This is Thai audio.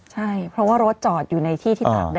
ใช่เพราะว่ารถจอดอยู่ในที่ที่ตากแด